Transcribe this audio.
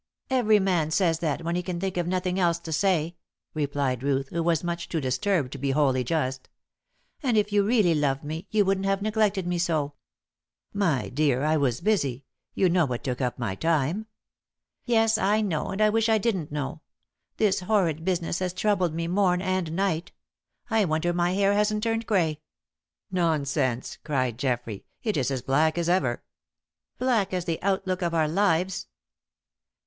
"Every man says that when he can think of nothing else to say," replied Ruth, who was too much disturbed to be wholly just. "And if you really loved me, you wouldn't have neglected me so." "My dear, I was busy. You know what took up my time." "Yes, I know, and I wish I didn't know! This horrid business has troubled me morn and night. I wonder my hair hasn't turned grey!" "Nonsense!" cried Geoffrey. "It is as black as ever." "Black as the outlook of our lives."